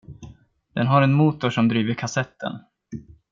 Den har en motor som driver kassetten.